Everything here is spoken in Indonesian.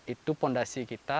itu fondasi kita